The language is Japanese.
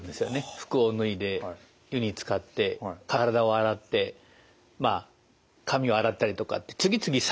服を脱いで湯につかって体を洗って髪を洗ったりとかって次々作業しないといけないんですね。